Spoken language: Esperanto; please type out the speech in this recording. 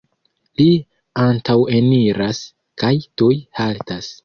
Li antaŭeniras kaj tuj haltas.